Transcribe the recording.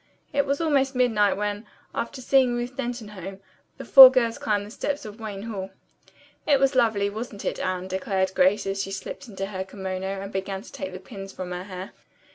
It was almost midnight when, after seeing Ruth Denton home, the four girls climbed the steps of Wayne Hall. "It was lovely, wasn't it, Anne?" declared Grace as she slipped into her kimono and began taking the pins from her hair.